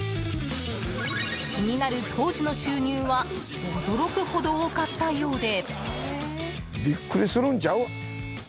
気になる当時の収入は驚くほど多かったようで。